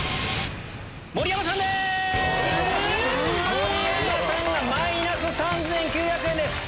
⁉盛山さんがマイナス３９００円です。